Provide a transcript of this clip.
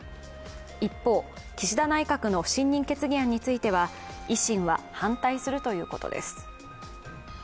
一方、岸田内閣の不信任決議案については維新は反対するということです。